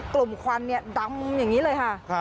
กลุ่มควันดำอย่างนี้เลยค่ะ